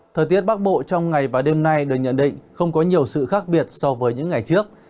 thời tiết bắc bộ trong ngày và đêm nay được nhận định không có nhiều sự khác biệt so với những ngày trước